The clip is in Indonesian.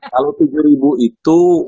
kalau tujuh ribu itu